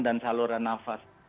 dan saluran nafas